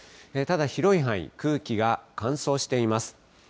ただ広い範囲、空気が乾燥しています。